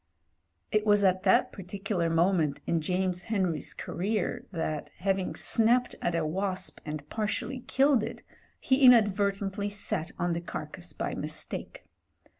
It was at that particular moment in James Henry's career that, having snapped at a wasp and partially killed it, he inadvertently sat on the carcase by mis take.